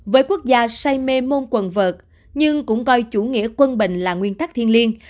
với quốc gia say mê môn quần vợt nhưng cũng coi chủ nghĩa quân bình là nguyên tắc thiên liêng